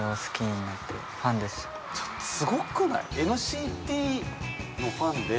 すごくない？